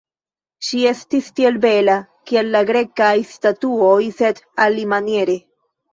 Ŝi estis tiel bela, kiel la Grekaj statuoj, sed alimaniere.